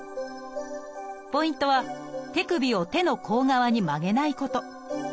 ポイントは手首を手の甲側に曲げないこと。